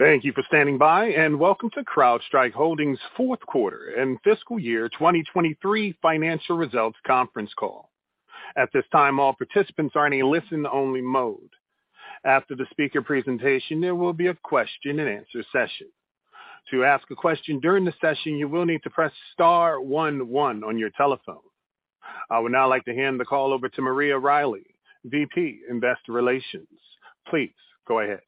Thank you for standing by, and welcome to CrowdStrike Holdings fourth quarter and fiscal year 2023 financial results conference call. At this time, all participants are in a listen only mode. After the speaker presentation, there will be a question and answer session. To ask a question during the session, you will need to press star one one on your telephone. I would now like to hand the call over to Maria Riley, VP, Investor Relations. Please go ahead.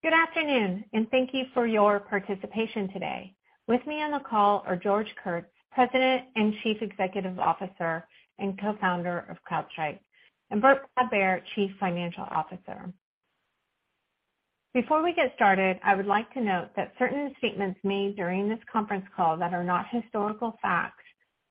Good afternoon. Thank you for your participation today. With me on the call are George Kurtz, President and Chief Executive Officer and Co-founder of CrowdStrike, and Burt Podbere, Chief Financial Officer. Before we get started, I would like to note that certain statements made during this conference call that are not historical facts,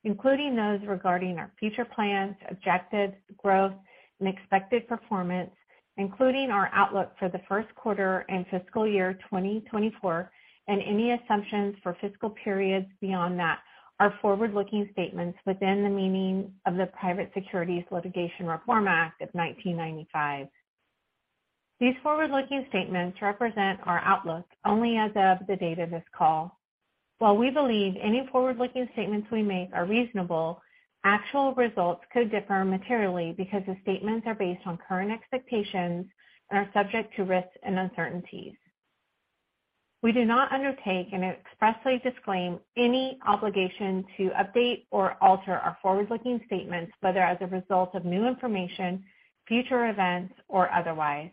including those regarding our future plans, objectives, growth and expected performance, including our outlook for the first quarter and fiscal year 2024, and any assumptions for fiscal periods beyond that are forward-looking statements within the meaning of the Private Securities Litigation Reform Act of 1995. These forward-looking statements represent our outlook only as of the date of this call. While we believe any forward-looking statements we make are reasonable, actual results could differ materially because the statements are based on current expectations and are subject to risks and uncertainties. We do not undertake and expressly disclaim any obligation to update or alter our forward-looking statements, whether as a result of new information, future events, or otherwise.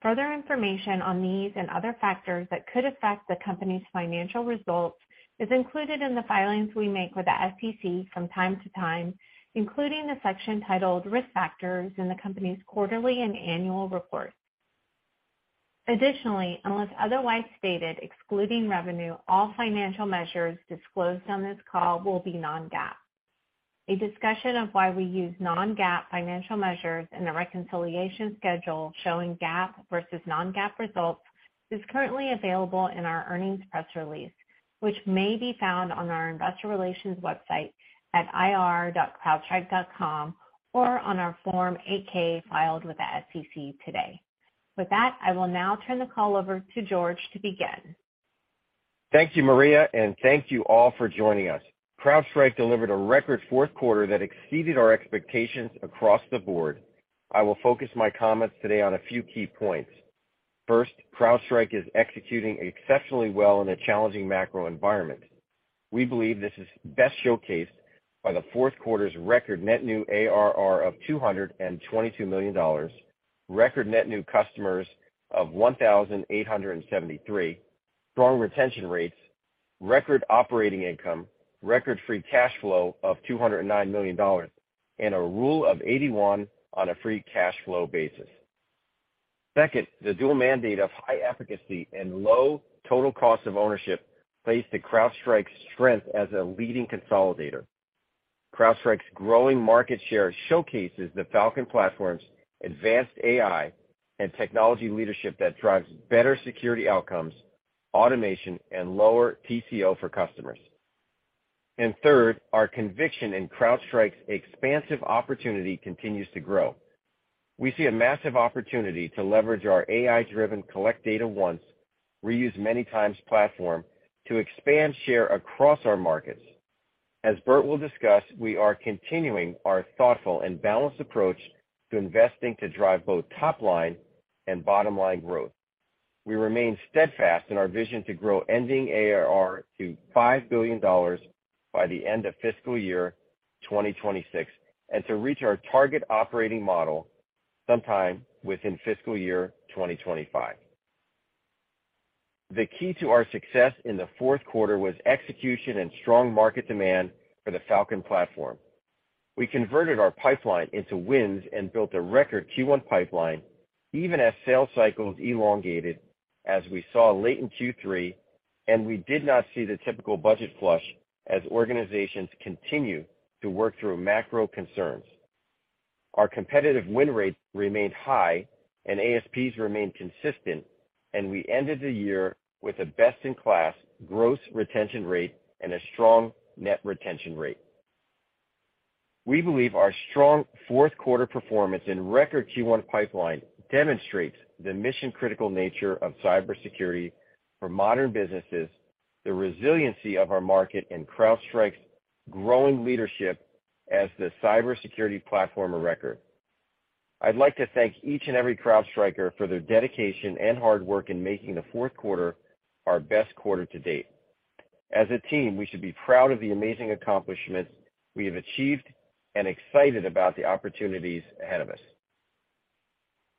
Further information on these and other factors that could affect the company's financial results is included in the filings we make with the SEC from time to time, including the section titled Risk Factors in the company's quarterly and annual report. Additionally, unless otherwise stated, excluding revenue, all financial measures disclosed on this call will be non-GAAP. A discussion of why we use non-GAAP financial measures and a reconciliation schedule showing GAAP versus non-GAAP results is currently available in our earnings press release, which may be found on our investor relations website at ir.crowdstrike.com or on our Form 8-K filed with the SEC today. With that, I will now turn the call over to George to begin. Thank you, Maria, and thank you all for joining us. CrowdStrike delivered a record fourth quarter that exceeded our expectations across the board. I will focus my comments today on a few key points. First, CrowdStrike is executing exceptionally well in a challenging macro environment. We believe this is best showcased by the fourth quarter's record net new ARR of $222 million, record net new customers of 1,873, strong retention rates, record operating income, record free cash flow of $209 million, and a Rule of 81 on a free cash flow basis. Second, the dual mandate of high efficacy and low total cost of ownership plays to CrowdStrike's strength as a leading consolidator. CrowdStrike's growing market share showcases the Falcon platform's advanced AI and technology leadership that drives better security outcomes, automation, and lower TCO for customers. Third, our conviction in CrowdStrike's expansive opportunity continues to grow. We see a massive opportunity to leverage our AI-driven collect data once, reuse many times platform to expand share across our markets. As Burt will discuss, we are continuing our thoughtful and balanced approach to investing to drive both top line and bottom line growth. We remain steadfast in our vision to grow ending ARR to $5 billion by the end of fiscal year 2026 and to reach our target operating model sometime within fiscal year 2025. The key to our success in the fourth quarter was execution and strong market demand for the Falcon platform. We converted our pipeline into wins and built a record Q1 pipeline, even as sales cycles elongated as we saw late in Q3, and we did not see the typical budget flush as organizations continue to work through macro concerns. Our competitive win rates remained high and ASPs remained consistent, and we ended the year with a best-in-class gross retention rate and a strong net retention rate. We believe our strong fourth quarter performance and record Q1 pipeline demonstrates the mission-critical nature of cybersecurity for modern businesses, the resiliency of our market, and CrowdStrike's growing leadership as the cybersecurity platform of record. I'd like to thank each and every CrowdStriker for their dedication and hard work in making the fourth quarter our best quarter to date. As a team, we should be proud of the amazing accomplishments we have achieved and excited about the opportunities ahead of us.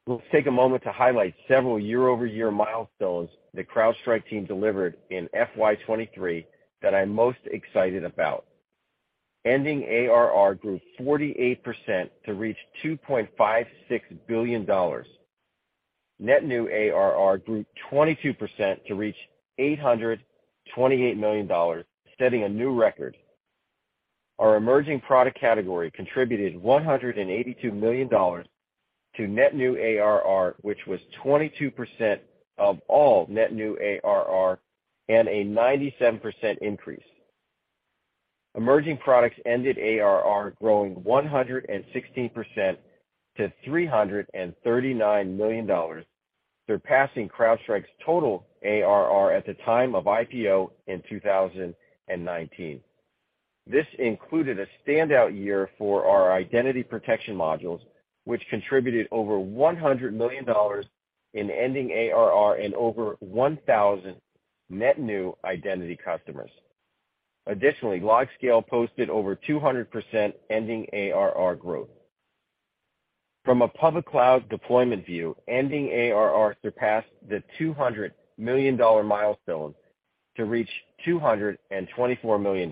Let's take a moment to highlight several year-over-year milestones the CrowdStrike team delivered in FY 2023 that I'm most excited about. Ending ARR grew 48% to reach $2.56 billion. net new ARR grew 22% to reach $828 million, setting a new record. Our emerging product category contributed $182 million to net new ARR, which was 22% of all net new ARR and a 97% increase. Emerging products ended ARR growing 116% to $339 million, surpassing CrowdStrike's total ARR at the time of IPO in 2019. This included a standout year for our identity protection modules, which contributed over $100 million in ending ARR and over 1,000 net new identity customers. Additionally, LogScale posted over 200% ending ARR growth. From a public cloud deployment view, ending ARR surpassed the $200 million milestone to reach $224 million,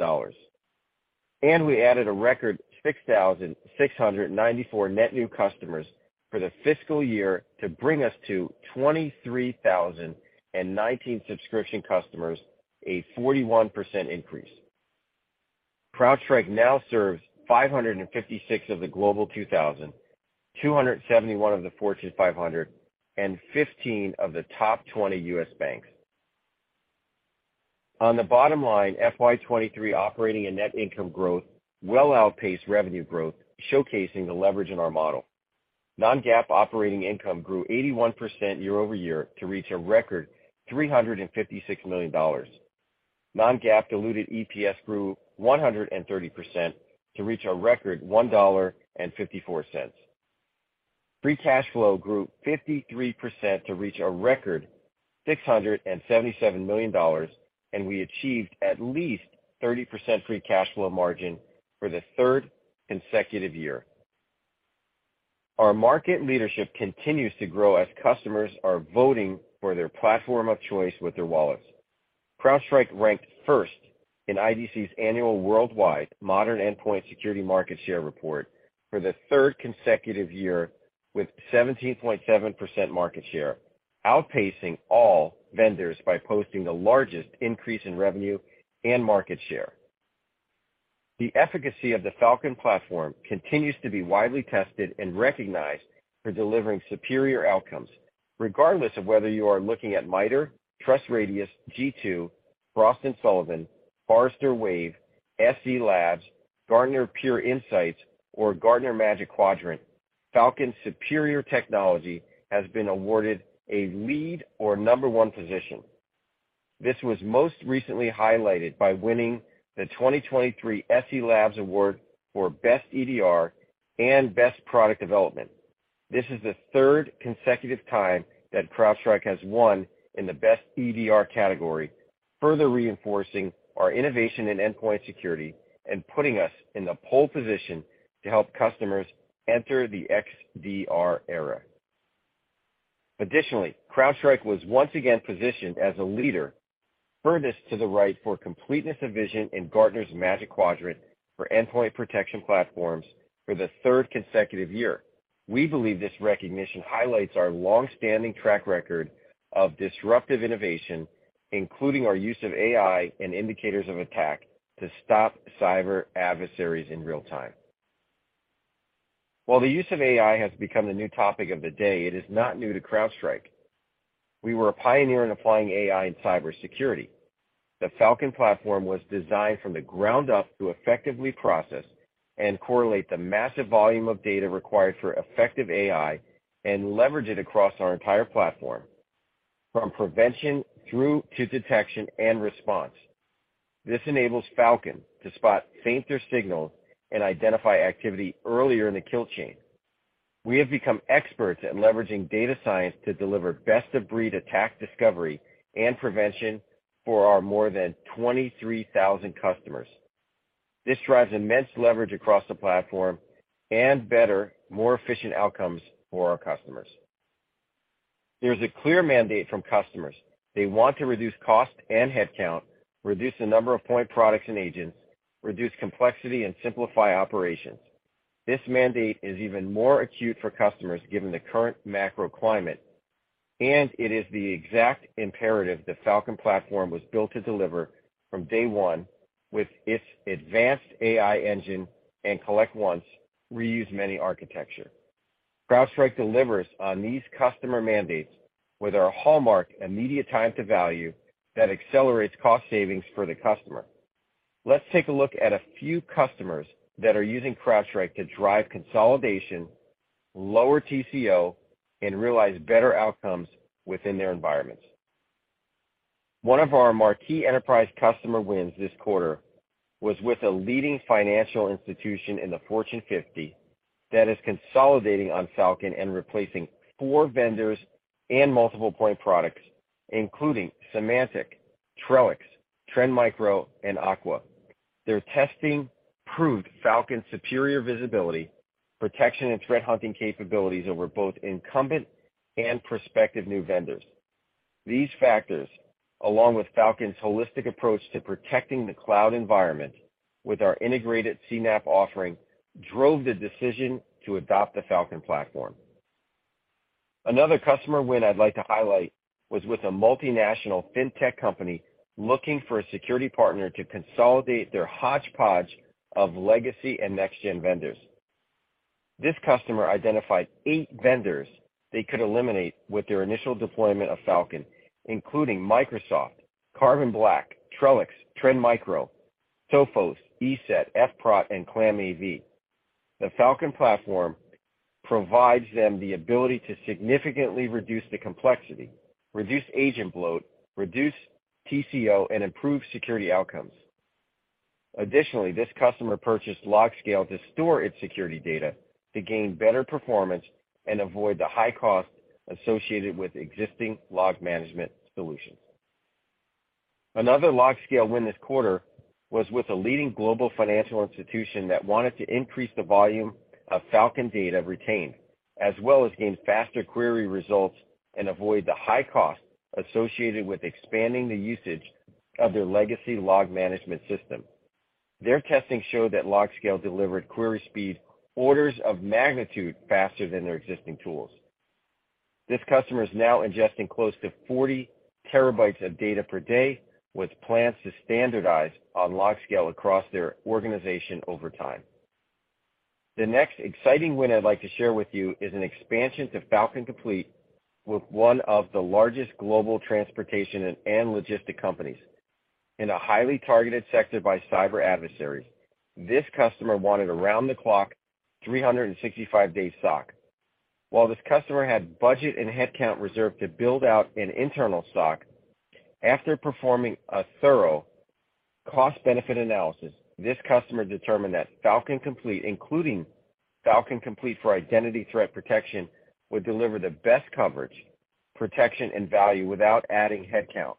we added a record 6,694 net new customers for the fiscal year to bring us to 23,019 subscription customers, a 41% increase. CrowdStrike now serves 556 of the Global 2000, 271 of the Fortune 500, and 15 of the top 20 U.S. banks. On the bottom line, FY23 operating and net income growth well outpaced revenue growth, showcasing the leverage in our model. Non-GAAP operating income grew 81% year-over-year to reach a record $356 million. Non-GAAP diluted EPS grew 130% to reach a record $1.54. Free cash flow grew 53% to reach a record $677 million, and we achieved at least 30% free cash flow margin for the third consecutive year. Our market leadership continues to grow as customers are voting for their platform of choice with their wallets. CrowdStrike ranked first in IDC's annual worldwide Modern Endpoint Security Market Share Report for the third consecutive year with 17.7% market share, outpacing all vendors by posting the largest increase in revenue and market share. The efficacy of the Falcon platform continues to be widely tested and recognized for delivering superior outcomes. Regardless of whether you are looking at MITRE, TrustRadius, G2, Frost & Sullivan, Forrester Wave, SE Labs, Gartner Peer Insights, or Gartner Magic Quadrant, Falcon's superior technology has been awarded a lead or number one position. This was most recently highlighted by winning the 2023 SE Labs award for Best EDR and Best Product Development. This is the 3rd consecutive time that CrowdStrike has won in the best EDR category, further reinforcing our innovation in endpoint security and putting us in the pole position to help customers enter the XDR era. Additionally, CrowdStrike was once again positioned as a leader furthest to the right for completeness of vision in Gartner's Magic Quadrant for endpoint protection platforms for the third consecutive year. We believe this recognition highlights our long-standing track record of disruptive innovation, including our use of AI and indicators of attack to stop cyber adversaries in real time. While the use of AI has become the new topic of the day, it is not new to CrowdStrike. We were a pioneer in applying AI in cybersecurity. The Falcon platform was designed from the ground up to effectively process and correlate the massive volume of data required for effective AI and leverage it across our entire platform from prevention through to detection and response. This enables Falcon to spot fainter signals and identify activity earlier in the kill chain. We have become experts at leveraging data science to deliver best-of-breed attack discovery and prevention for our more than 23,000 customers. This drives immense leverage across the platform and better, more efficient outcomes for our customers. There is a clear mandate from customers. They want to reduce cost and headcount, reduce the number of point products and agents, reduce complexity, and simplify operations. This mandate is even more acute for customers given the current macro climate, and it is the exact imperative the Falcon platform was built to deliver from day one with its advanced AI engine and collect once, reuse many architecture. CrowdStrike delivers on these customer mandates with our hallmark immediate time to value that accelerates cost savings for the customer. Let's take a look at a few customers that are using CrowdStrike to drive consolidation, lower TCO, and realize better outcomes within their environments. One of our marquee enterprise customer wins this quarter was with a leading financial institution in the Fortune 50 that is consolidating on Falcon and replacing four vendors and multiple point products, including Symantec, Trellix, Trend Micro, and Aqua. Their testing proved Falcon's superior visibility, protection, and threat hunting capabilities over both incumbent and prospective new vendors. These factors, along with Falcon's holistic approach to protecting the cloud environment with our integrated CNAPP offering, drove the decision to adopt the Falcon platform. Another customer win I'd like to highlight was with a multinational fintech company looking for a security partner to consolidate their hodgepodge of legacy and next gen vendors. This customer identified eight vendors they could eliminate with their initial deployment of Falcon, including Microsoft, Carbon Black, Trellix, Trend Micro, Sophos, ESET, F-Prot, and ClamAV. The Falcon platform provides them the ability to significantly reduce the complexity, reduce agent bloat, reduce TCO, and improve security outcomes. Additionally, this customer purchased LogScale to store its security data to gain better performance and avoid the high cost associated with existing log management solutions. Another LogScale win this quarter was with a leading global financial institution that wanted to increase the volume of Falcon data retained, as well as gain faster query results and avoid the high cost associated with expanding the usage of their legacy log management system. Their testing showed that LogScale delivered query speed orders of magnitude faster than their existing tools. This customer is now ingesting close to 40 TB of data per day, with plans to standardize on LogScale across their organization over time. The next exciting win I'd like to share with you is an expansion to Falcon Complete with one of the largest global transportation and logistic companies. In a highly targeted sector by cyber adversaries, this customer wanted around-the-clock 365-day SOC. While this customer had budget and headcount reserved to build out an internal SOC, after performing a thorough cost-benefit analysis, this customer determined that Falcon Complete, including Falcon Complete for Identity Threat Protection, would deliver the best coverage, protection, and value without adding headcount.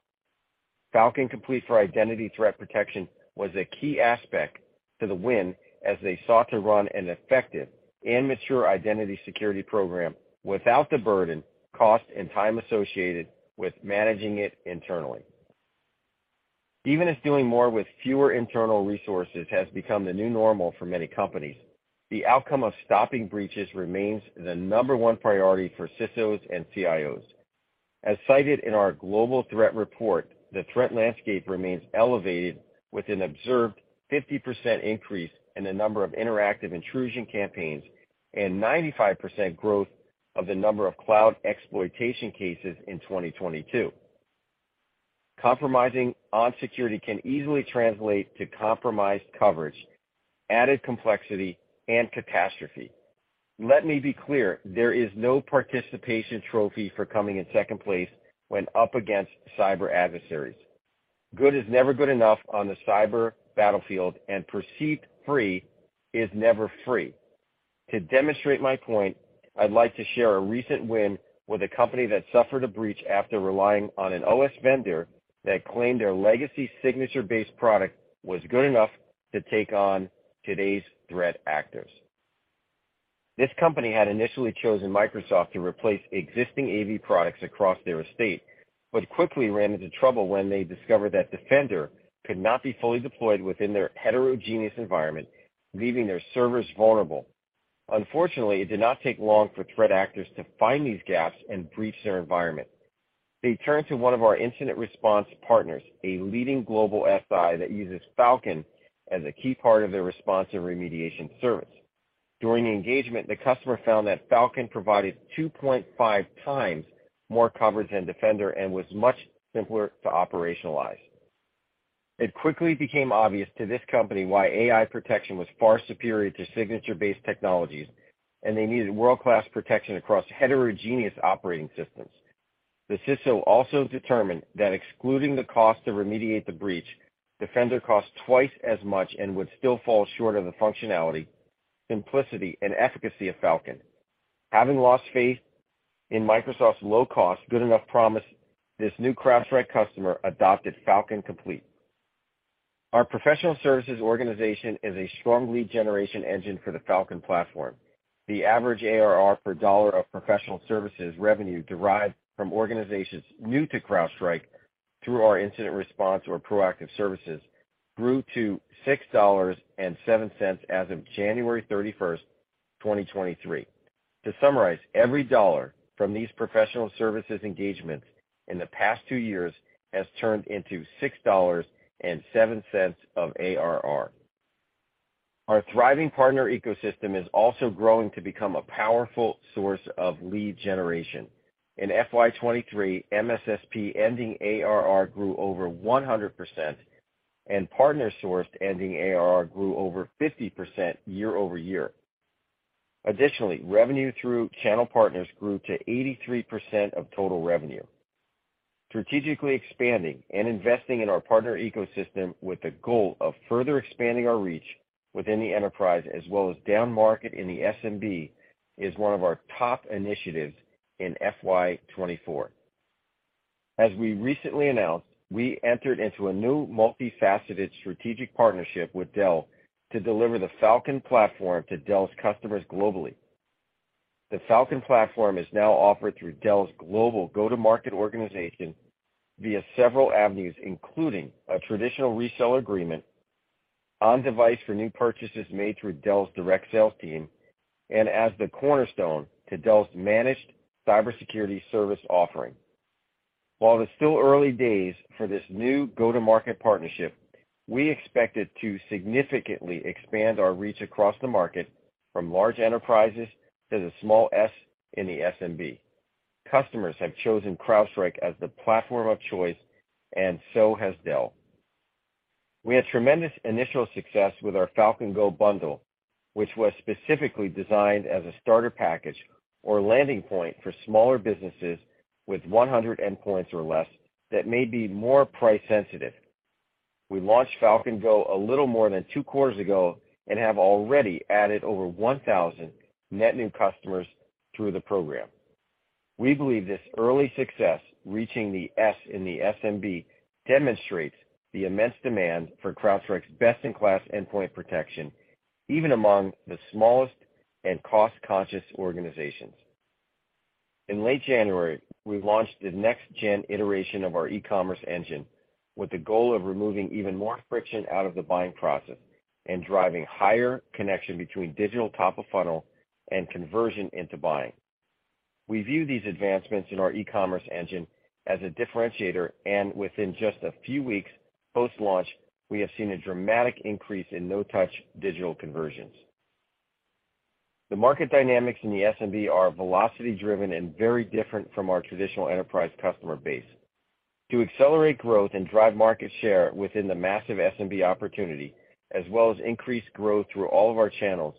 Falcon Complete for Identity Threat Protection was a key aspect to the win as they sought to run an effective and mature identity security program without the burden, cost, and time associated with managing it internally. Even as doing more with fewer internal resources has become the new normal for many companies, the outcome of stopping breaches remains the number one priority for CISOs and CIOs. As cited in our global threat report, the threat landscape remains elevated, with an observed 50% increase in the number of interactive intrusion campaigns and 95% growth of the number of cloud exploitation cases in 2022. Compromising on security can easily translate to compromised coverage, added complexity, and catastrophe. Let me be clear, there is no participation trophy for coming in second place when up against cyber adversaries. Good is never good enough on the cyber battlefield, and perceived free is never free. To demonstrate my point, I'd like to share a recent win with a company that suffered a breach after relying on an OS vendor that claimed their legacy signature-based product was good enough to take on today's threat actors. This company had initially chosen Microsoft to replace existing AV products across their estate, quickly ran into trouble when they discovered that Defender could not be fully deployed within their heterogeneous environment, leaving their servers vulnerable. Unfortunately, it did not take long for threat actors to find these gaps and breach their environment. They turned to one of our incident response partners, a leading global SI that uses Falcon as a key part of their response and remediation service. During the engagement, the customer found that Falcon provided 2.5 times more coverage than Defender and was much simpler to operationalize. It quickly became obvious to this company why AI protection was far superior to signature-based technologies, and they needed world-class protection across heterogeneous operating systems. The CISO also determined that excluding the cost to remediate the breach, Defender cost twice as much and would still fall short of the functionality, simplicity, and efficacy of Falcon. Having lost faith in Microsoft's low cost, good enough promise, this new CrowdStrike customer adopted Falcon Complete. Our professional services organization is a strong lead generation engine for the Falcon platform. The average ARR per dollar of professional services revenue derived from organizations new to CrowdStrike through our incident response or proactive services grew to $6.07 as of January 31, 2023. To summarize, every dollar from these professional services engagements in the past two years has turned into $6.07 of ARR. Our thriving partner ecosystem is also growing to become a powerful source of lead generation. In FY23, MSSP ending ARR grew over 100%, and partner-sourced ending ARR grew over 50% year-over-year. Revenue through channel partners grew to 83% of total revenue. Strategically expanding and investing in our partner ecosystem with the goal of further expanding our reach within the enterprise as well as down market in the SMB is one of our top initiatives in FY24. As we recently announced, we entered into a new multifaceted strategic partnership with Dell to deliver the Falcon platform to Dell's customers globally. The Falcon platform is now offered through Dell's global go-to-market organization via several avenues, including a traditional resell agreement, on-device for new purchases made through Dell's direct sales team, and as the cornerstone to Dell's managed cybersecurity service offering. While it's still early days for this new go-to-market partnership, we expect it to significantly expand our reach across the market from large enterprises to the small S in the SMB. Customers have chosen CrowdStrike as the platform of choice, so has Dell. We had tremendous initial success with our Falcon Go bundle, which was specifically designed as a starter package or landing point for smaller businesses with 100 endpoints or less that may be more price sensitive. We launched Falcon Go a little more than two quarters ago and have already added over 1,000 net new customers through the program. We believe this early success reaching the S in the SMB demonstrates the immense demand for CrowdStrike's best-in-class endpoint protection, even among the smallest and cost-conscious organizations. In late January, we launched the next-gen iteration of our e-commerce engine with the goal of removing even more friction out of the buying process and driving higher connection between digital top of funnel and conversion into buying. We view these advancements in our e-commerce engine as a differentiator. Within just a few weeks post-launch, we have seen a dramatic increase in no-touch digital conversions. The market dynamics in the SMB are velocity driven and very different from our traditional enterprise customer base. To accelerate growth and drive market share within the massive SMB opportunity as well as increase growth through all of our channels,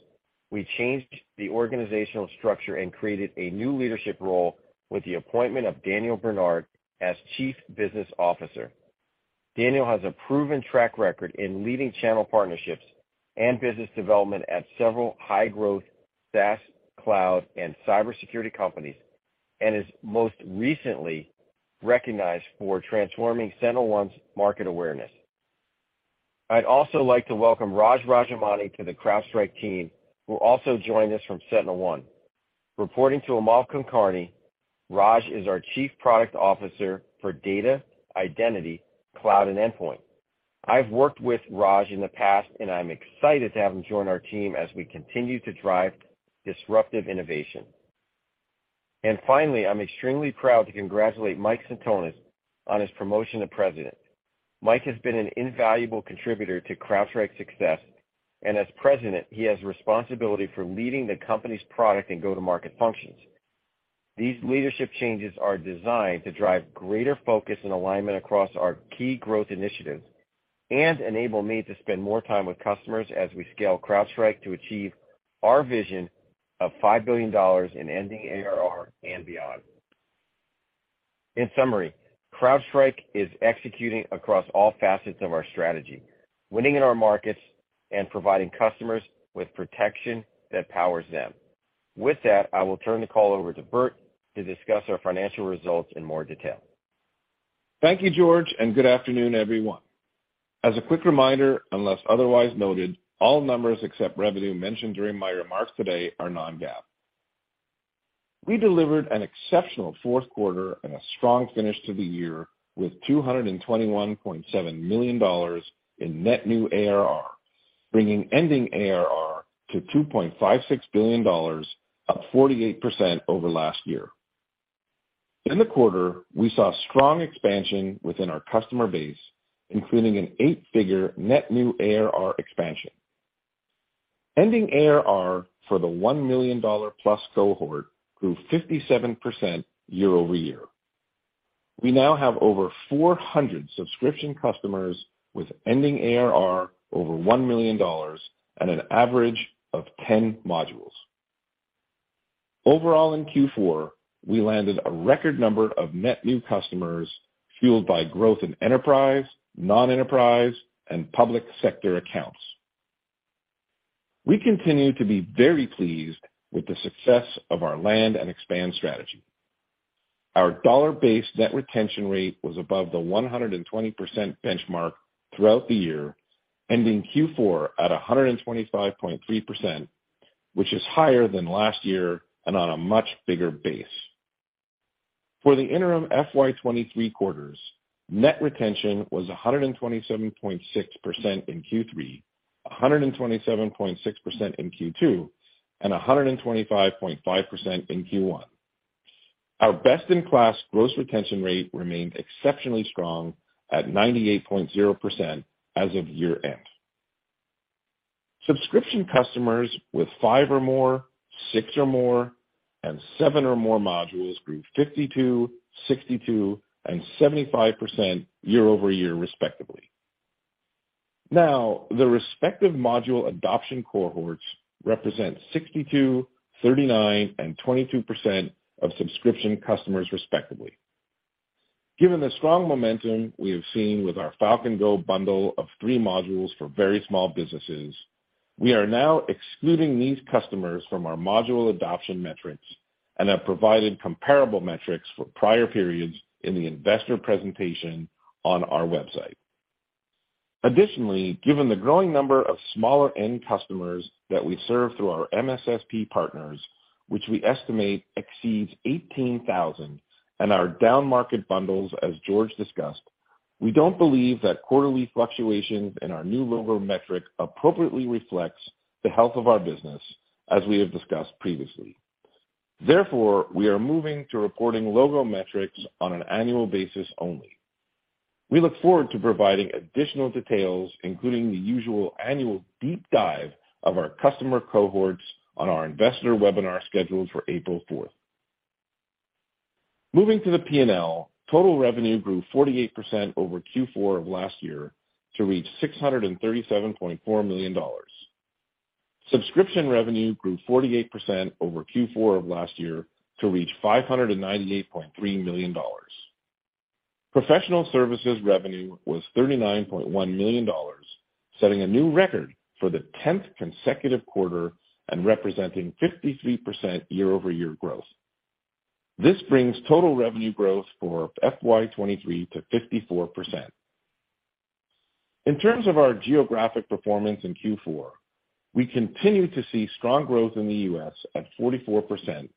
we changed the organizational structure and created a new leadership role with the appointment of Daniel Bernard as Chief Business Officer. Daniel has a proven track record in leading channel partnerships and business development at several high-growth SaaS, cloud, and cybersecurity companies, and is most recently recognized for transforming SentinelOne's market awareness. I'd also like to welcome Raj Rajamani to the CrowdStrike team, who also joined us from SentinelOne. Reporting to Amol Kulkarni, Raj is our Chief Product Officer for Data, Identity, Cloud, and Endpoint. I've worked with Raj in the past, and I'm excited to have him join our team as we continue to drive disruptive innovation. Finally, I'm extremely proud to congratulate Mike Sentonas on his promotion to President. Mike has been an invaluable contributor to CrowdStrike's success, and as President, he has responsibility for leading the company's product and go-to-market functions. These leadership changes are designed to drive greater focus and alignment across our key growth initiatives and enable me to spend more time with customers as we scale CrowdStrike to achieve our vision of $5 billion in ending ARR and beyond. In summary, CrowdStrike is executing across all facets of our strategy, winning in our markets and providing customers with protection that powers them. With that, I will turn the call over to Burt to discuss our financial results in more detail. Thank you, George, and good afternoon, everyone. As a quick reminder, unless otherwise noted, all numbers except revenue mentioned during my remarks today are non-GAAP. We delivered an exceptional fourth quarter and a strong finish to the year with $221.7 million in net new ARR, bringing ending ARR to $2.56 billion, up 48% over last year. In the quarter, we saw strong expansion within our customer base, including an eight-figure net new ARR expansion. Ending ARR for the $1+ million cohort grew 57% year-over-year. We now have over 400 subscription customers with ending ARR over $1 million and an average of 10 modules. Overall, in Q4, we landed a record number of net new customers fueled by growth in enterprise, non-enterprise, and public sector accounts. We continue to be very pleased with the success of our land and expand strategy. Our dollar-based net retention rate was above the 120% benchmark throughout the year, ending Q4 at 125.3%, which is higher than last year and on a much bigger base. For the interim FY23 quarters, net retention was 127.6% in Q3, 127.6% in Q2, and 125.5% in Q1. Our best-in-class gross retention rate remained exceptionally strong at 98.0% as of year end. Subscription customers with five or more, six or more, and seven or more modules grew 52%, 62%, and 75% year-over-year, respectively. The respective module adoption cohorts represent 62%, 39%, and 22% of subscription customers, respectively. Given the strong momentum we have seen with our Falcon Go bundle of three modules for very small businesses, we are now excluding these customers from our module adoption metrics and have provided comparable metrics for prior periods in the investor presentation on our website. Additionally, given the growing number of smaller end customers that we serve through our MSSP partners, which we estimate exceeds 18,000, and our downmarket bundles, as George discussed. We don't believe that quarterly fluctuations in our new logo metric appropriately reflects the health of our business, as we have discussed previously. Therefore, we are moving to reporting logo metrics on an annual basis only. We look forward to providing additional details, including the usual annual deep dive of our customer cohorts on our investor webinar scheduled for April 4th. Moving to the P&L, total revenue grew 48% over Q4 of last year to reach $637.4 million. Subscription revenue grew 48% over Q4 of last year to reach $598.3 million. Professional services revenue was $39.1 million, setting a new record for the 10th consecutive quarter and representing 53% year-over-year growth. This brings total revenue growth for FY 2023 to 54%. In terms of our geographic performance in Q4, we continue to see strong growth in the U.S. at 44%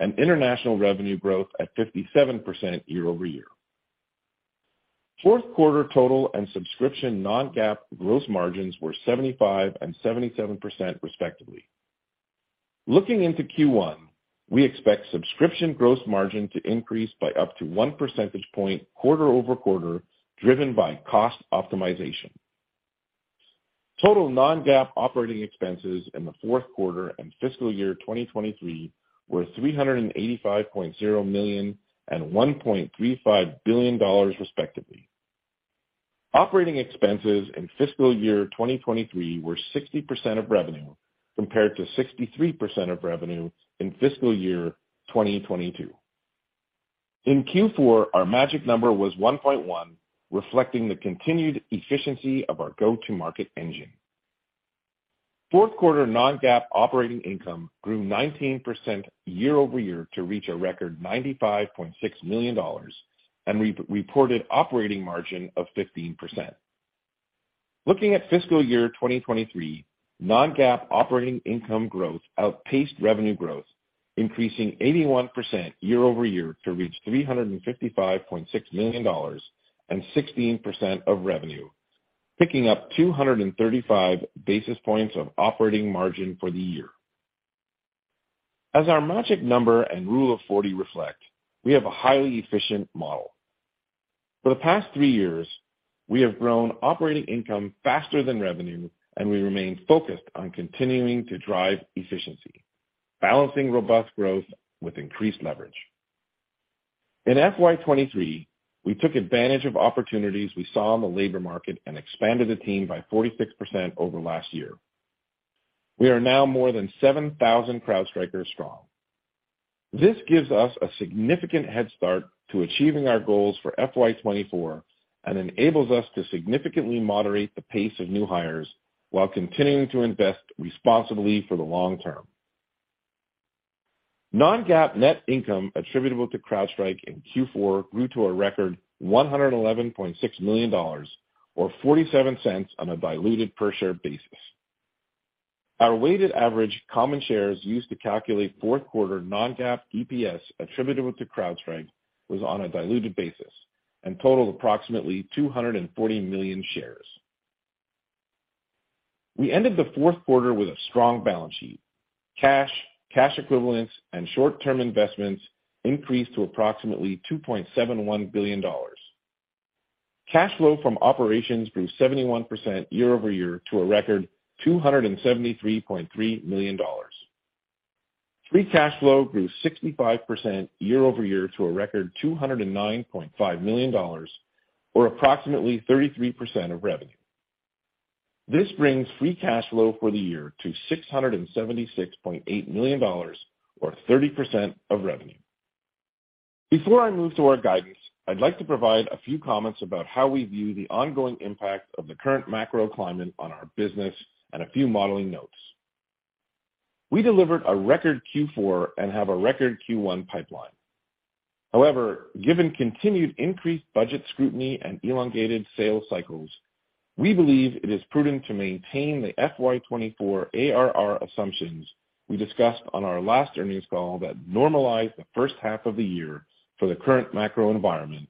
and international revenue growth at 57% year-over-year. Fourth quarter total and subscription non-GAAP gross margins were 75% and 77% respectively. Looking into Q1, we expect subscription gross margin to increase by up to 1 percentage point quarter-over-quarter, driven by cost optimization. Total non-GAAP operating expenses in the fourth quarter and fiscal year 2023 were $385.0 million and $1.35 billion, respectively. Operating expenses in fiscal year 2023 were 60% of revenue, compared to 63% of revenue in fiscal year 2022. In Q4, our magic number was 1.1, reflecting the continued efficiency of our go-to-market engine. Fourth quarter non-GAAP operating income grew 19% year-over-year to reach a record $95.6 million and re-reported operating margin of 15%. Looking at fiscal year 2023, non-GAAP operating income growth outpaced revenue growth, increasing 81% year-over-year to reach $355.6 million and 16% of revenue, picking up 235 basis points of operating margin for the year. As our magic number and Rule of 40 reflect, we have a highly efficient model. For the past 3 years, we have grown operating income faster than revenue, and we remain focused on continuing to drive efficiency, balancing robust growth with increased leverage. In FY 2023, we took advantage of opportunities we saw in the labor market and expanded the team by 46% over last year. We are now more than 7,000 CrowdStrikers strong. This gives us a significant head start to achieving our goals for FY 2024 and enables us to significantly moderate the pace of new hires while continuing to invest responsibly for the long term. non-GAAP net income attributable to CrowdStrike in Q4 grew to a record $111.6 million or $0.47 on a diluted per share basis. Our weighted average common shares used to calculate fourth quarter non-GAAP EPS attributable to CrowdStrike was on a diluted basis and totaled approximately 240 million shares. We ended the fourth quarter with a strong balance sheet. Cash, cash equivalents, and short-term investments increased to approximately $2.71 billion. Cash flow from operations grew 71% year-over-year to a record $273.3 million. Free cash flow grew 65% year-over-year to a record $209.5 million, or approximately 33% of revenue. This brings free cash flow for the year to $676.8 million or 30% of revenue. Before I move to our guidance, I'd like to provide a few comments about how we view the ongoing impact of the current macro climate on our business and a few modeling notes. We delivered a record Q4 and have a record Q1 pipeline. Given continued increased budget scrutiny and elongated sales cycles, we believe it is prudent to maintain the FY 2024 ARR assumptions we discussed on our last earnings call that normalize the first half of the year for the current macro environment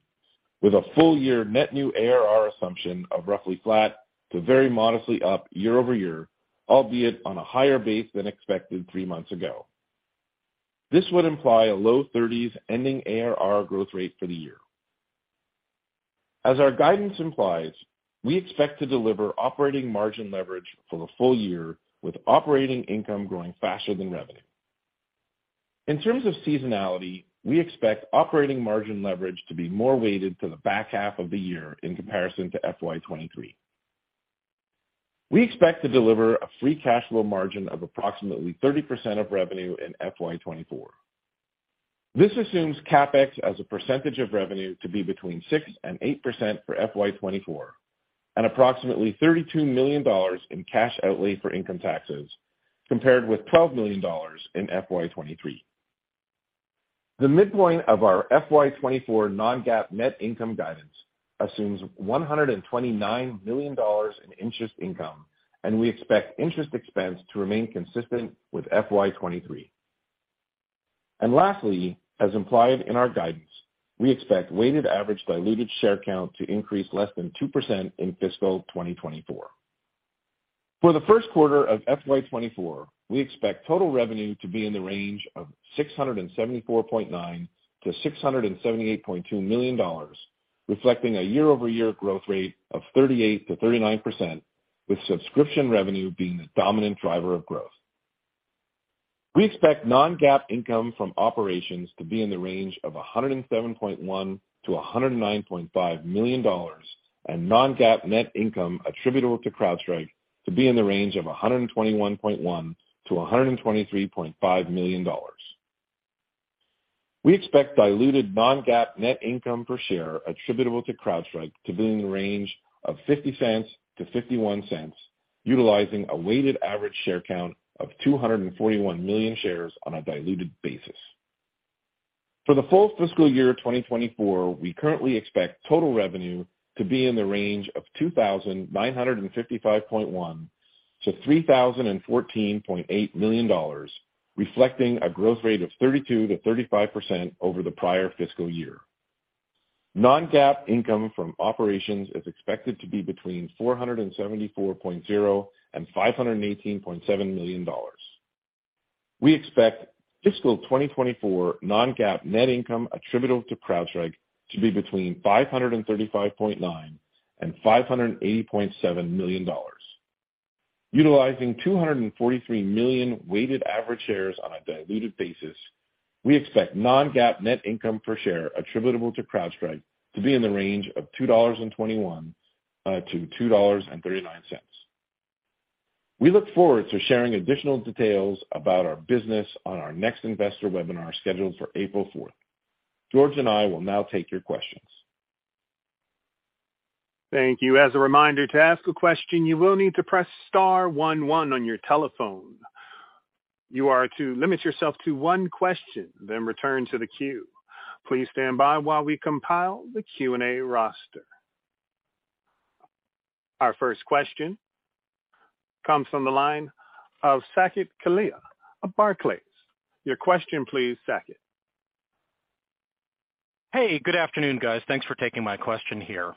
with a full-year net new ARR assumption of roughly flat to very modestly up year-over-year, albeit on a higher base than expected three months ago. This would imply a low 30s ending ARR growth rate for the year. As our guidance implies, we expect to deliver operating margin leverage for the full year, with operating income growing faster than revenue. In terms of seasonality, we expect operating margin leverage to be more weighted to the back half of the year in comparison to FY 2023. We expect to deliver a free cash flow margin of approximately 30% of revenue in FY 2024. This assumes CapEx as a percentage of revenue to be between 6%-8% for FY 2024, and approximately $32 million in cash outlay for income taxes, compared with $12 million in FY 2023. The midpoint of our FY 2024 non-GAAP net income guidance assumes $129 million in interest income, and we expect interest expense to remain consistent with FY 2023. lastly, as implied in our guidance, we expect weighted average diluted share count to increase less than 2% in fiscal 2024. For the first quarter of FY 2024, we expect total revenue to be in the range of $674.9 million-$678.2 million, reflecting a year-over-year growth rate of 38%-39%, with subscription revenue being the dominant driver of growth. We expect non-GAAP income from operations to be in the range of $107.1 million-$109.5 million and non-GAAP net income attributable to CrowdStrike to be in the range of $121.1 million-$123.5 million. We expect diluted non-GAAP net income per share attributable to CrowdStrike to be in the range of $0.50-$0.51, utilizing a weighted average share count of 241 million shares on a diluted basis. For the full fiscal year 2024, we currently expect total revenue to be in the range of $2,955.1 million-$3,014.8 million, reflecting a growth rate of 32%-35% over the prior fiscal year. non-GAAP income from operations is expected to be between $474.0 million and $518.7 million. We expect fiscal 2024 non-GAAP net income attributable to CrowdStrike to be between $535.9 million and $580.7 million. Utilizing 243 million weighted average shares on a diluted basis, we expect non-GAAP net income per share attributable to CrowdStrike to be in the range of $2.21 to $2.39. We look forward to sharing additional details about our business on our next investor webinar scheduled for April 4th. George and I will now take your questions. Thank you. As a reminder, to ask a question, you will need to press star one one on your telephone. You are to limit yourself to one question, then return to the queue. Please stand by while we compile the Q&A roster. Our first question comes from the line of Saket Kalia of Barclays. Your question please, Saket. Hey, good afternoon, guys. Thanks for taking my question here.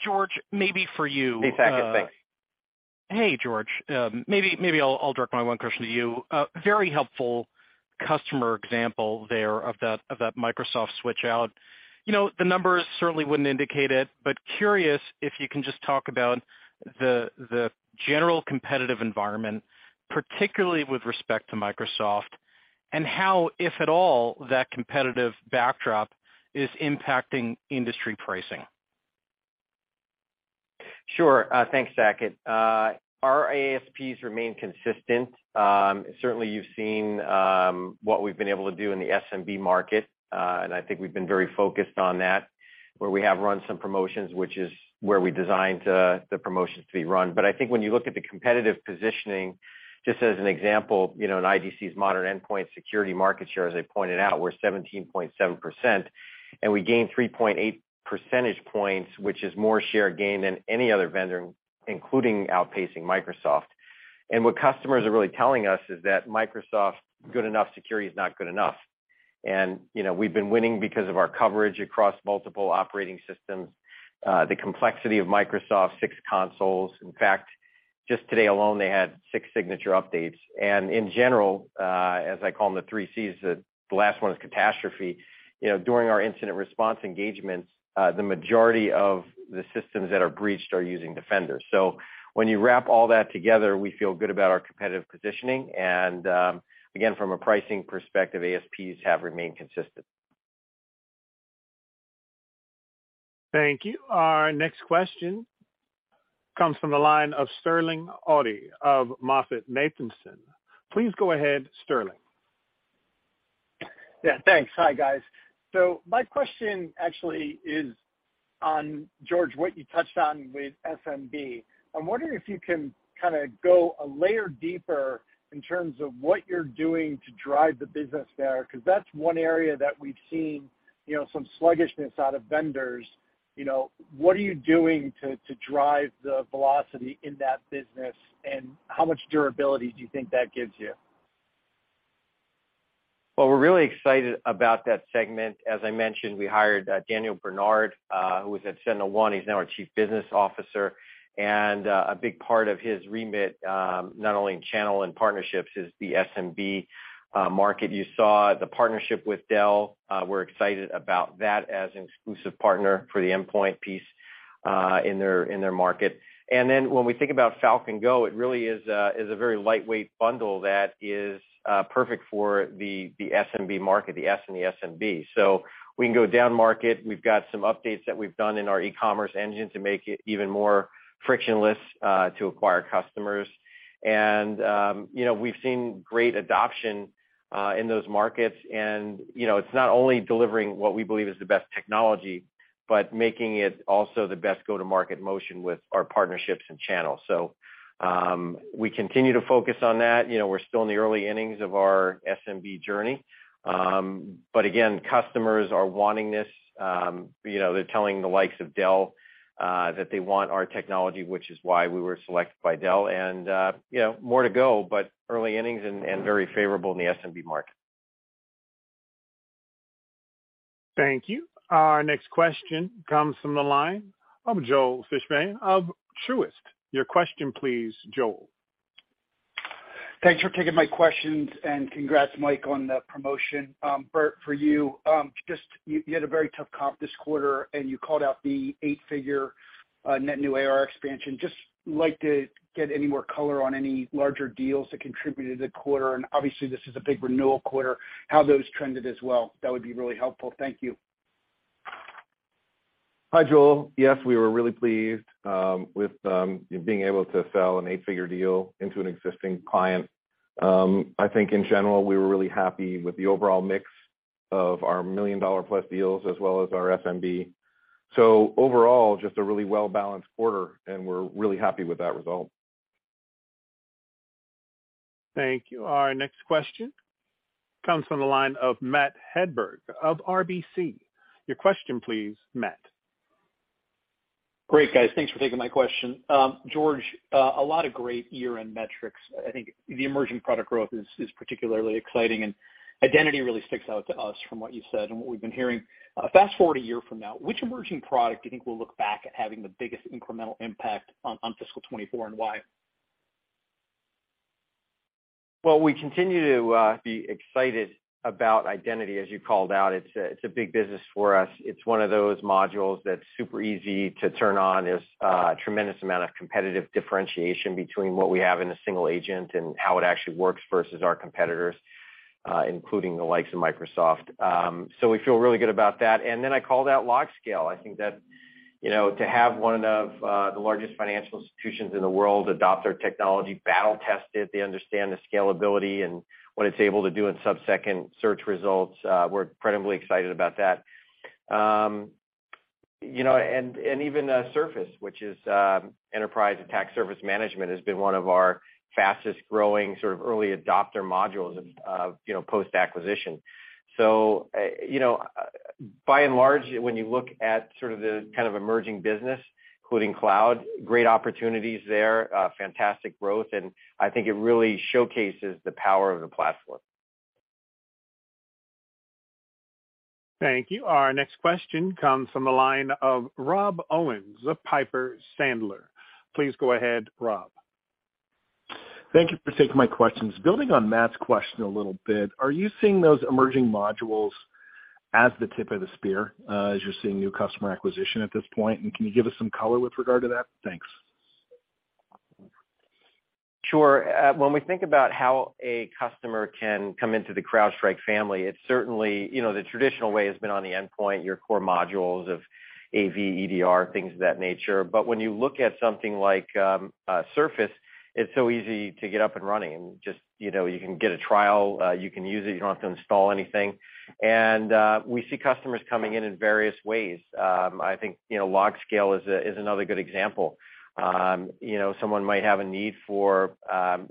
George, maybe for you. Hey, Saket. Thanks. Hey, George. maybe I'll direct my one question to you. A very helpful customer example there of that Microsoft switch out. You know, the numbers certainly wouldn't indicate it, but curious if you can just talk about the general competitive environment, particularly with respect to Microsoft, and how, if at all, that competitive backdrop is impacting industry pricing. Sure. Thanks, Saket. Our ASPs remain consistent. Certainly, you've seen what we've been able to do in the SMB market, and I think we've been very focused on that, where we have run some promotions, which is where we designed the promotions to be run. I think when you look at the competitive positioning, just as an example, you know, in IDC's modern endpoint security market share, as I pointed out, we're 17.7% and we gained 3.8 percentage points, which is more share gain than any other vendor, including outpacing Microsoft. What customers are really telling us is that Microsoft good enough security is not good enough. You know, we've been winning because of our coverage across multiple operating systems, the complexity of Microsoft, six consoles. In fact, just today alone, they had six signature updates. In general, as I call them, the three Cs, the last one is catastrophe. You know, during our incident response engagements, the majority of the systems that are breached are using Defender. When you wrap all that together, we feel good about our competitive positioning and, again, from a pricing perspective, ASPs have remained consistent. Thank you. Our next question comes from the line of Sterling Auty of MoffettNathanson. Please go ahead, Sterling. Yeah, thanks. Hi, guys. My question actually is on, George, what you touched on with SMB. I'm wondering if you can kinda go a layer deeper in terms of what you're doing to drive the business there, 'cause that's one area that we've seen, you know, some sluggishness out of vendors. You know, what are you doing to drive the velocity in that business, and how much durability do you think that gives you? Well, we're really excited about that segment. As I mentioned, we hired Daniel Bernard, who was at SentinelOne. He's now our Chief Business Officer. A big part of his remit, not only in channel and partnerships, is the SMB market. You saw the partnership with Dell. We're excited about that as an exclusive partner for the endpoint piece, in their market. When we think about Falcon Go, it really is a very lightweight bundle that is perfect for the SMB market, the S in the SMB. We can go down-market. We've got some updates that we've done in our e-commerce engine to make it even more frictionless to acquire customers. You know, we've seen great adoption in those markets and, you know, it's not only delivering what we believe is the best technology, but making it also the best go-to-market motion with our partnerships and channels. We continue to focus on that. You know, we're still in the early innings of our SMB journey. Again, customers are wanting this. You know, they're telling the likes of Dell that they want our technology, which is why we were selected by Dell and, you know, more to go, but early innings and very favorable in the SMB market. Thank you. Our next question comes from the line of Joel Fishbein of Truist. Your question, please, Joel. Thanks for taking my questions. Congrats, Mike, on the promotion. Burt, for you had a very tough comp this quarter, and you called out the eight-figure net new ARR expansion. Just like to get any more color on any larger deals that contributed to the quarter, and obviously, this is a big renewal quarter, how those trended as well. That would be really helpful. Thank you. Hi, Joel. Yes, we were really pleased with being able to sell an eight-figure deal into an existing client. I think in general, we were really happy with the overall mix of our million-dollar-plus deals as well as our SMB. Overall, just a really well-balanced quarter, and we're really happy with that result. Thank you. Our next question comes from the line of Matt Hedberg of RBC. Your question please, Matt. Great, guys. Thanks for taking my question. George, a lot of great year-end metrics. I think the emerging product growth is particularly exciting, and identity really sticks out to us from what you said and what we've been hearing. Fast-forward a year from now, which emerging product do you think will look back at having the biggest incremental impact on fiscal 2024 and why? We continue to be excited about identity, as you called out. It's a big business for us. It's one of those modules that's super easy to turn on. There's a tremendous amount of competitive differentiation between what we have in a single agent and how it actually works versus our competitors, including the likes of Microsoft. We feel really good about that. I called out LogScale. I think that, you know, to have one of the largest financial institutions in the world adopt our technology, battle test it, they understand the scalability and what it's able to do in sub-second search results, we're incredibly excited about that. You know, even Surface, which is enterprise attack surface management, has been one of our fastest-growing, sort of early adopter modules of, you know, post-acquisition. You know, by and large, when you look at sort of the kind of emerging business, including cloud, great opportunities there, fantastic growth, and I think it really showcases the power of the platform. Thank you. Our next question comes from the line of Rob Owens of Piper Sandler. Please go ahead, Rob. Thank you for taking my questions. Building on Matt's question a little bit, are you seeing those emerging modules as the tip of the spear, as you're seeing new customer acquisition at this point? Can you give us some color with regard to that? Thanks. Sure. When we think about how a customer can come into the CrowdStrike family, it's certainly, you know, the traditional way has been on the endpoint, your core modules of AV, EDR, things of that nature. But when you look at something like, Surface, it's so easy to get up and running. Just, you know, you can get a trial, you can use it, you don't have to install anything. We see customers coming in in various ways. I think, you know, LogScale is another good example. You know, someone might have a need for,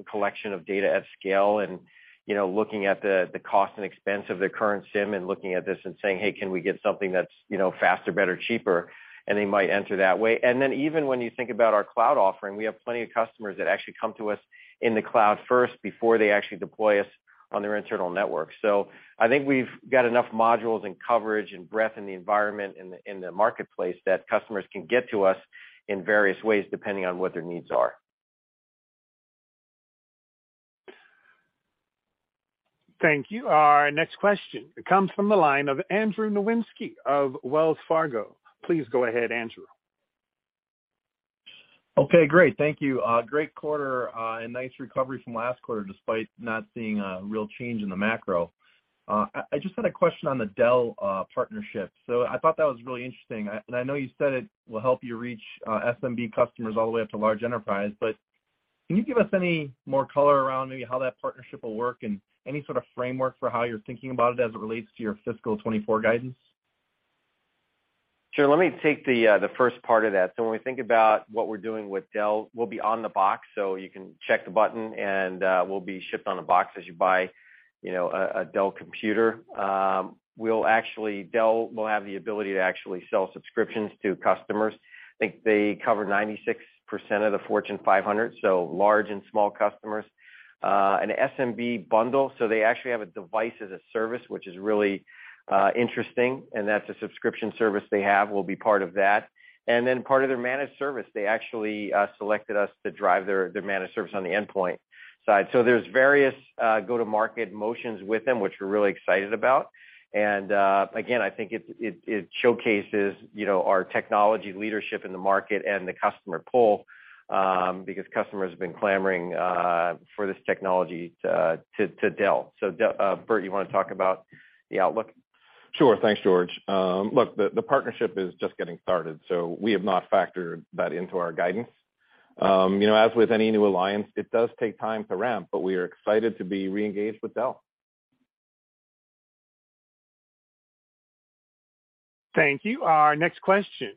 collection of data at scale and, you know, looking at the cost and expense of their current SIEM and looking at this and saying, "Hey, can we get something that's, you know, faster, better, cheaper?" They might enter that way. Even when you think about our cloud offering, we have plenty of customers that actually come to us in the cloud first before they actually deploy us on their internal network. I think we've got enough modules and coverage and breadth in the environment, in the marketplace that customers can get to us in various ways, depending on what their needs are. Thank you. Our next question comes from the line of Andrew Nowinski of Wells Fargo. Please go ahead, Andrew. Okay, great. Thank you. A great quarter, and nice recovery from last quarter, despite not seeing a real change in the macro. I just had a question on the Dell partnership. I thought that was really interesting. I know you said it will help you reach SMB customers all the way up to large enterprise, but can you give us any more color around maybe how that partnership will work and any sort of framework for how you're thinking about it as it relates to your fiscal 2024 guidance? Sure. Let me take the first part of that. When we think about what we're doing with Dell, we'll be on the box, so you can check the button, and we'll be shipped on the box as you buy, you know, a Dell computer. We'll actually Dell will have the ability to actually sell subscriptions to customers. I think they cover 96% of the Fortune 500, so large and small customers. An SMB bundle, so they actually have a device as a service, which is really interesting, and that's a subscription service they have, will be part of that. Then part of their managed service, they actually selected us to drive their managed service on the endpoint side. There's various go-to-market motions with them, which we're really excited about. Again, I think it showcases, you know, our technology leadership in the market and the customer pull, because customers have been clamoring for this technology to Dell. Burt, you want to talk about the outlook? Sure. Thanks, George. look, the partnership is just getting started. We have not factored that into our guidance. you know, as with any new alliance, it does take time to ramp. We are excited to be re-engaged with Dell. Thank you. Our next question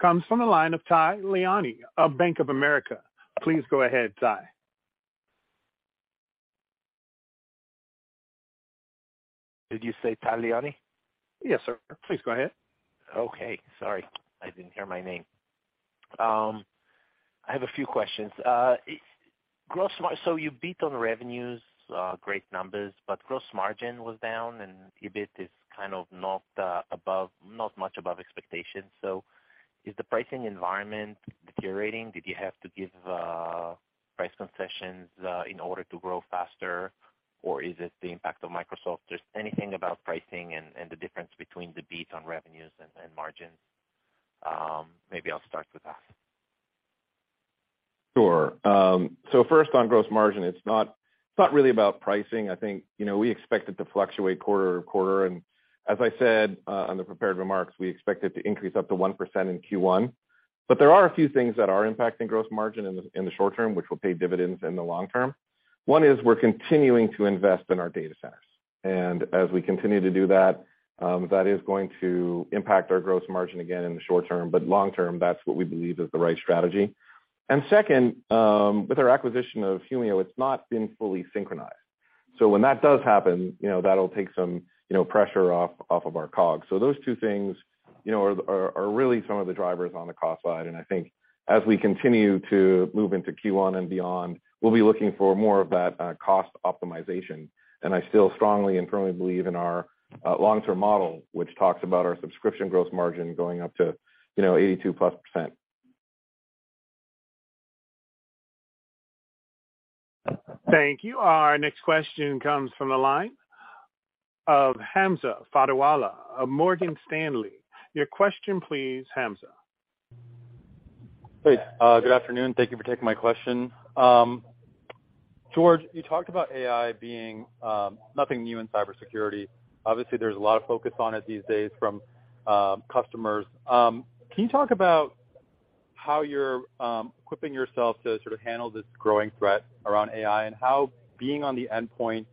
comes from the line of Tal Liani of Bank of America. Please go ahead, Tal. Did you say Tal Liani? Yes, sir. Please go ahead. Okay, sorry. I didn't hear my name. I have a few questions. So you beat on revenues, great numbers, gross margin was down and EBIT is kind of not above, not much above expectations. Is the pricing environment deteriorating? Did you have to give price concessions in order to grow faster, or is it the impact of Microsoft? Just anything about pricing and the difference between the beats on revenues and margins. Maybe I'll start with that. Sure. First on gross margin, it's not, it's not really about pricing. I think, you know, we expect it to fluctuate quarter to quarter. As I said, on the prepared remarks, we expect it to increase up to 1% in Q1. There are a few things that are impacting gross margin in the, in the short term, which will pay dividends in the long term. One is we're continuing to invest in our data centers. As we continue to do that is going to impact our gross margin again in the short term. Long term, that's what we believe is the right strategy. Second, with our acquisition of Humio, it's not been fully synchronized. When that does happen, you know, that'll take some, you know, pressure off of our COGS. Those two things, you know, are really some of the drivers on the cost side. I think as we continue to move into Q1 and beyond, we'll be looking for more of that cost optimization. I still strongly and firmly believe in our long-term model, which talks about our subscription gross margin going up to, you know, 82%+. Thank you. Our next question comes from the line of Hamza Fodderwala of Morgan Stanley. Your question please, Hamza. Great. good afternoon. Thank you for taking my question. George, you talked about AI being nothing new in cybersecurity. Obviously, there's a lot of focus on it these days from customers. Can you talk about how you're equipping yourself to sort of handle this growing threat around AI and how being on the endpoint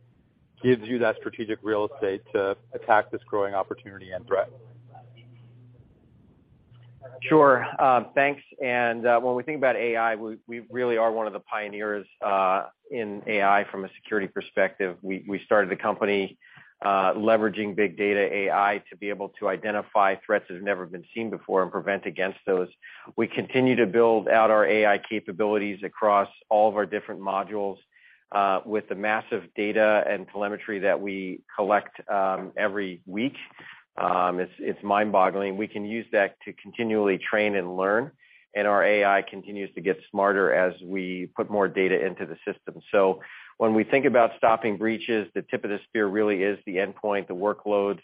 gives you that strategic real estate to attack this growing opportunity and threat? Sure. Thanks. When we think about AI, we really are one of the pioneers in AI from a security perspective. We started the company leveraging big data AI to be able to identify threats that have never been seen before and prevent against those. We continue to build out our AI capabilities across all of our different modules with the massive data and telemetry that we collect every week. It's mind-boggling. We can use that to continually train and learn, and our AI continues to get smarter as we put more data into the system. When we think about stopping breaches, the tip of the spear really is the endpoint, the workloads.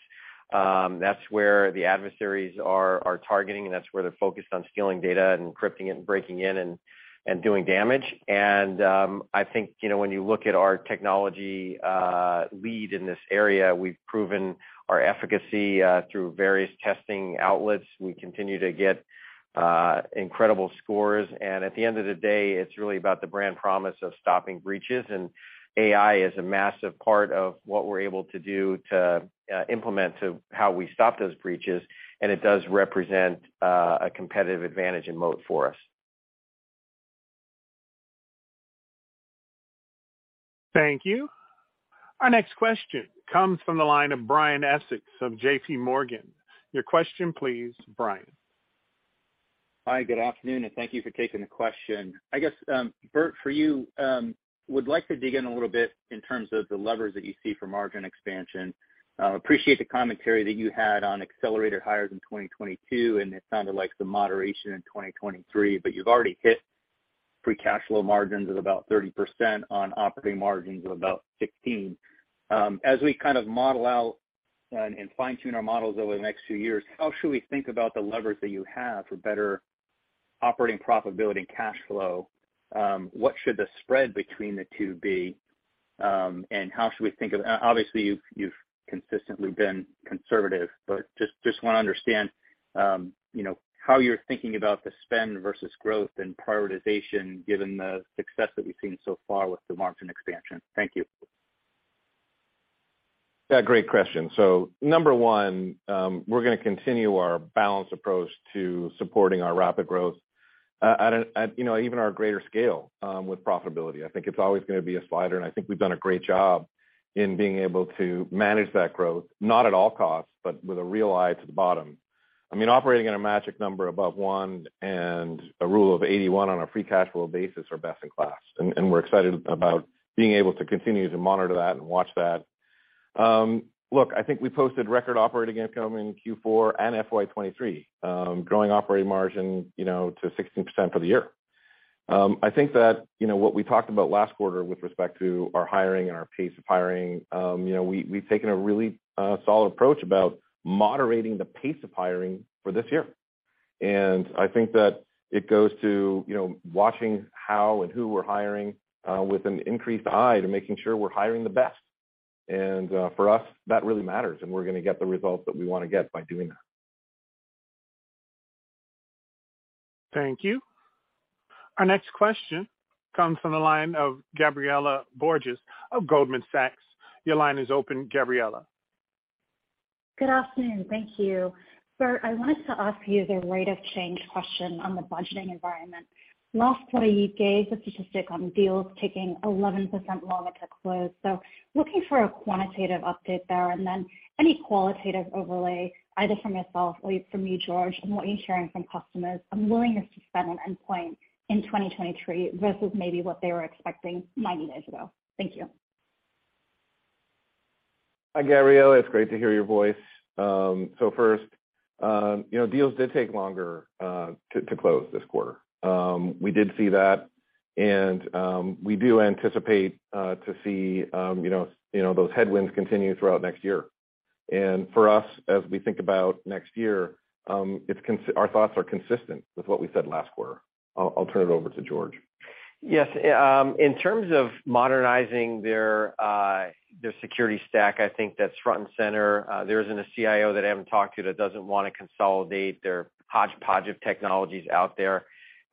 That's where the adversaries are targeting, and that's where they're focused on stealing data and encrypting it and breaking in and doing damage. I think, you know, when you look at our technology, lead in this area, we've proven our efficacy, through various testing outlets. We continue to get incredible scores. At the end of the day, it's really about the brand promise of stopping breaches. AI is a massive part of what we're able to do to implement to how we stop those breaches, and it does represent a competitive advantage and moat for us. Thank you. Our next question comes from the line of Brian Essex of JPMorgan. Your question please, Brian. Hi, good afternoon, and thank you for taking the question. I guess, Burt, for you, would like to dig in a little bit in terms of the levers that you see for margin expansion. Appreciate the commentary that you had on accelerated hires in 2022, and it sounded like some moderation in 2023. You've already hit free cash flow margins of about 30% on operating margins of about 16%. As we kind of model out and fine-tune our models over the next few years, how should we think about the levers that you have for better operating profitability and cash flow? What should the spread between the two be? Obviously, you've consistently been conservative, but just wanna understand, you know, how you're thinking about the spend versus growth and prioritization given the success that we've seen so far with the margin expansion. Thank you. Yeah, great question. Number one, we're gonna continue our balanced approach to supporting our rapid growth, you know, even our greater scale, with profitability. I think it's always gonna be a slider, and I think we've done a great job in being able to manage that growth, not at all costs, but with a real eye to the bottom. I mean, operating at a magic number above one and a Rule of 81 on a free cash flow basis are best in class, and we're excited about being able to continue to monitor that and watch that. Look, I think we posted record operating income in Q4 and FY23, growing operating margin, you know, to 16% for the year. I think that, you know, what we talked about last quarter with respect to our hiring and our pace of hiring, you know, we've taken a really solid approach about moderating the pace of hiring for this year. I think that it goes to, you know, watching how and who we're hiring, with an increased eye to making sure we're hiring the best. For us, that really matters, and we're gonna get the results that we wanna get by doing that. Thank you. Our next question comes from the line of Gabriela Borges of Goldman Sachs. Your line is open, Gabriela. Good afternoon. Thank you. Burt, I wanted to ask you the rate of change question on the budgeting environment. Last quarter, you gave the statistic on deals taking 11% longer to close. Looking for a quantitative update there and then any qualitative overlay, either from yourself or from you, George, on what you're hearing from customers on willingness to spend on endpoint in 2023 versus maybe what they were expecting 90 days ago. Thank you. Hi, Gabriela, it's great to hear your voice. First, you know, deals did take longer to close this quarter. We did see that, we do anticipate to see, you know, you know, those headwinds continue throughout next year. For us, as we think about next year, our thoughts are consistent with what we said last quarter. I'll turn it over to George. In terms of modernizing their security stack, I think that's front and center. There isn't a CIO that I haven't talked to that doesn't wanna consolidate their hodgepodge of technologies out there.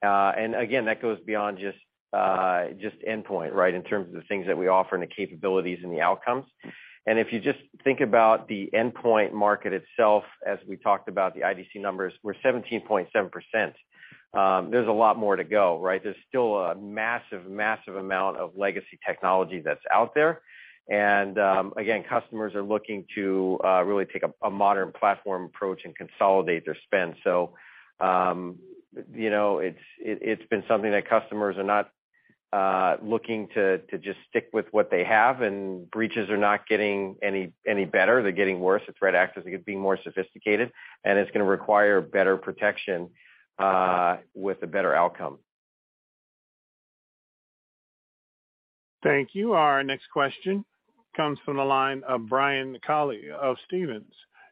Again, that goes beyond just endpoint, right? In terms of the things that we offer and the capabilities and the outcomes. If you just think about the endpoint market itself, as we talked about the IDC numbers, we're 17.7%. There's a lot more to go, right? There's still a massive amount of legacy technology that's out there. Again, customers are looking to really take a modern platform approach and consolidate their spend. You know, it's been something that customers are not looking to just stick with what they have. Breaches are not getting any better. They're getting worse. The threat actors are being more sophisticated. It's gonna require better protection with a better outcome. Thank you. Our next question comes from the line of Brian Kelley of Stifel.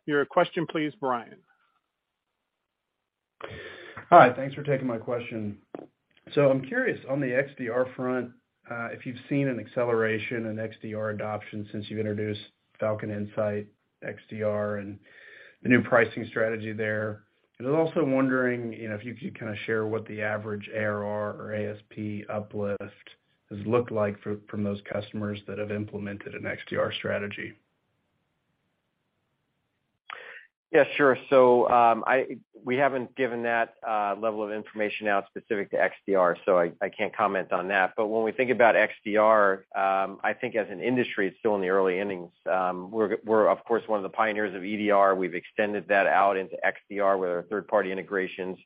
Your question please, Brian. Hi. Thanks for taking my question. I'm curious on the XDR front if you've seen an acceleration in XDR adoption since you've introduced Falcon Insight XDR and the new pricing strategy there. I'm also wondering, you know, if you could kinda share what the average ARR or ASP uplift has looked like from those customers that have implemented an XDR strategy. Yeah, sure. We haven't given that level of information out specific to XDR, so I can't comment on that. When we think about XDR, I think as an industry, it's still in the early innings. We're of course one of the pioneers of EDR. We've extended that out into XDR with our third-party integrations.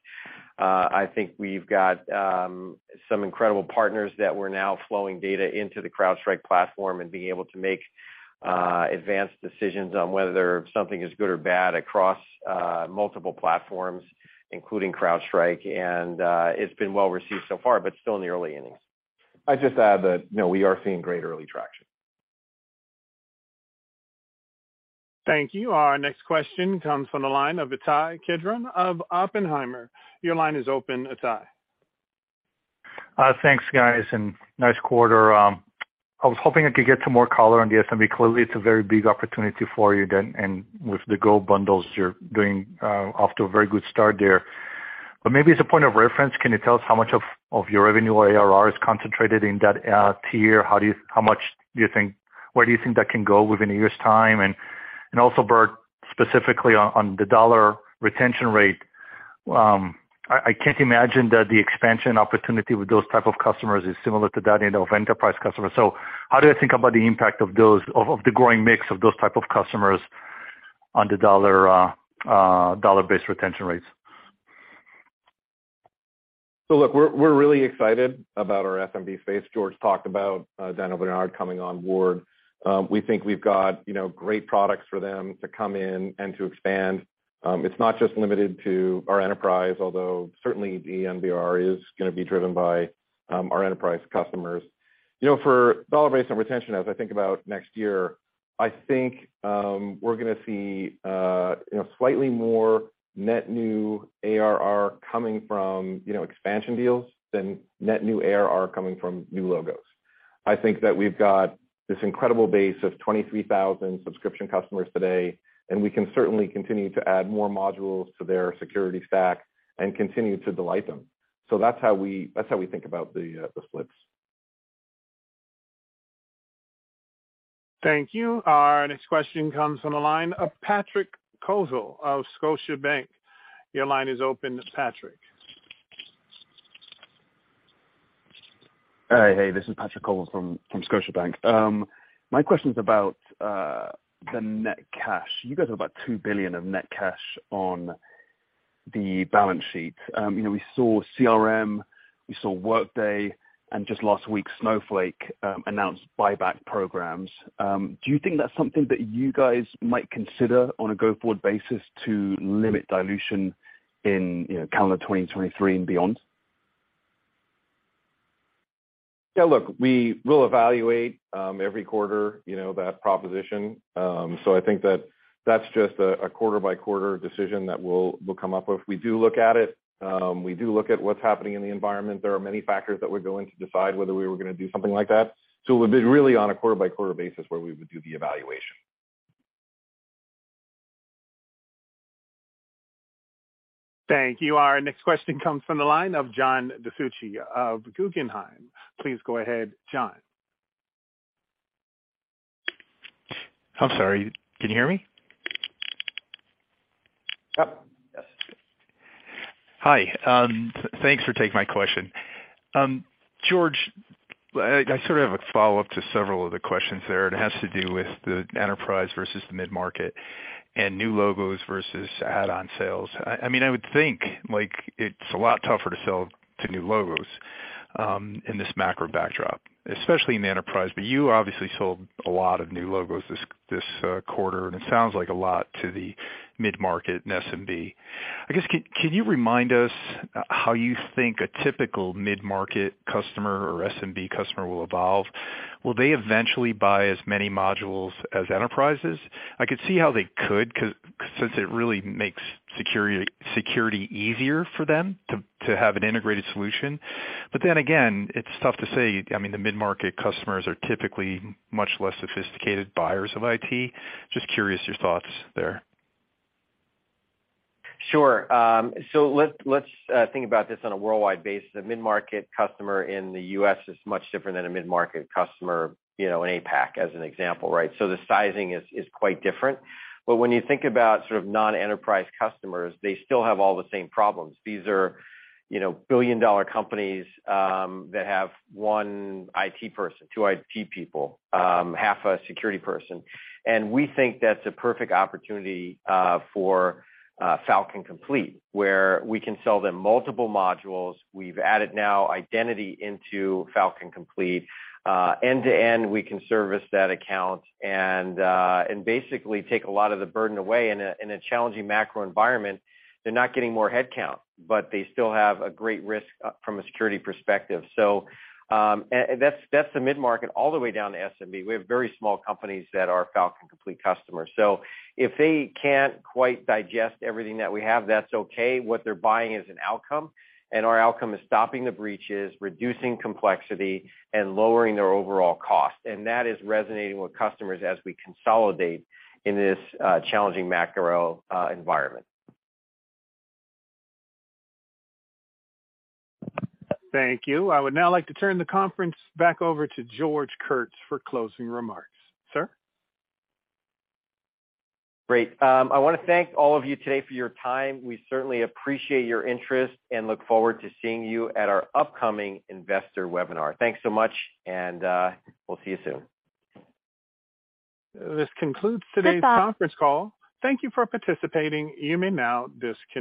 I think we've got some incredible partners that we're now flowing data into the CrowdStrike platform and being able to make advanced decisions on whether something is good or bad across multiple platforms, including CrowdStrike. It's been well received so far, but still in the early innings. I'd just add that, you know, we are seeing great early traction. Thank you. Our next question comes from the line of Ittai Kidron of Oppenheimer. Your line is open, Ittai. Thanks, guys, and nice quarter. I was hoping I could get some more color on the SMB. Clearly, it's a very big opportunity for you then, and with the Go bundles you're doing, off to a very good start there. Maybe as a point of reference, can you tell us how much of your revenue or ARR is concentrated in that tier? How much do you think? Where do you think that can go within a year's time? Also, Burt, specifically on the dollar retention rate, I can't imagine that the expansion opportunity with those type of customers is similar to that end of enterprise customers. How do I think about the impact of those, of the growing mix of those type of customers on the dollar-based retention rates? We're really excited about our SMB space. George talked about Dell and VMware coming on board. We think we've got, you know, great products for them to come in and to expand. It's not just limited to our enterprise, although certainly the NVR is gonna be driven by our enterprise customers. You know, for dollar-based on retention, as I think about next year, I think, we're gonna see, you know, slightly more net new ARR coming from, you know, expansion deals than net new ARR coming from new logos. I think that we've got this incredible base of 23,000 subscription customers today, and we can certainly continue to add more modules to their security stack and continue to delight them. That's how we think about the splits. Thank you. Our next question comes from the line of Patrick Colville of Scotiabank. Your line is open, Patrick. Hey, hey, this is Patrick Colville from Scotiabank. My question's about the net cash. You guys have about $2 billion of net cash on the balance sheet. you know, we saw CRM, we saw Workday, and just last week Snowflake, announced buyback programs. Do you think that's something that you guys might consider on a go-forward basis to limit dilution in, you know, calendar 2023 and beyond? Yeah, look, we will evaluate, every quarter, you know, that proposition. I think that that's just a quarter-by-quarter decision that we'll come up with. We do look at it. We do look at what's happening in the environment. There are many factors that would go in to decide whether we were gonna do something like that. It would be really on a quarter-by-quarter basis where we would do the evaluation. Thank you. Our next question comes from the line of John DiFucci of Guggenheim. Please go ahead, John. I'm sorry, can you hear me? Yep. Yes. Hi. Thanks for taking my question. George, I sort of have a follow-up to several of the questions there. It has to do with the enterprise versus the mid-market and new logos versus add-on sales. I mean, I would think, like, it's a lot tougher to sell to new logos in this macro backdrop, especially in the enterprise. You obviously sold a lot of new logos this quarter, and it sounds like a lot to the mid-market and SMB. I guess can you remind us how you think a typical mid-market customer or SMB customer will evolve? Will they eventually buy as many modules as enterprises? I could see how they could, 'cause since it really makes security easier for them to have an integrated solution. Then again, it's tough to say. I mean, the mid-market customers are typically much less sophisticated buyers of IT. Just curious your thoughts there? Sure. Let's think about this on a worldwide basis. The mid-market customer in the U.S. is much different than a mid-market customer, you know, in APAC, as an example, right? The sizing is quite different. When you think about sort of non-enterprise customers, they still have all the same problems. These are, you know, billion-dollar companies that have one IT person, two IT people, 1/2 a security person. We think that's a perfect opportunity for Falcon Complete, where we can sell them multiple modules. We've added now Identity into Falcon Complete, end-to-end we can service that account and basically take a lot of the burden away. In a challenging macro environment, they're not getting more headcount, but they still have a great risk from a security perspective. That's the mid-market all the way down to SMB. We have very small companies that are Falcon Complete customers. If they can't quite digest everything that we have, that's okay. What they're buying is an outcome, and our outcome is stopping the breaches, reducing complexity, and lowering their overall cost. That is resonating with customers as we consolidate in this challenging macro environment. Thank you. I would now like to turn the conference back over to George Kurtz for closing remarks. Sir? Great. I wanna thank all of you today for your time. We certainly appreciate your interest and look forward to seeing you at our upcoming investor webinar. Thanks so much, and we'll see you soon. This concludes today's conference call. Thank you for participating. You may now disconnect.